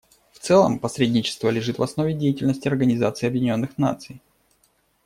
В целом, посредничество лежит в основе деятельности Организации Объединенных Наций.